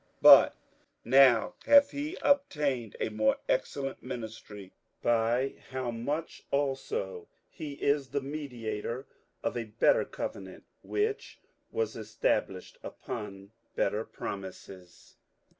58:008:006 But now hath he obtained a more excellent ministry, by how much also he is the mediator of a better covenant, which was established upon better promises.